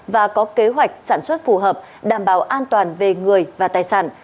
và có kế hoạch sản xuất phù hợp đảm bảo an toàn về người và tài sản